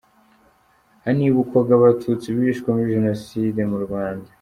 Hanibukwaga Abatutsi bishwe muri Jenoside mu Rwanda.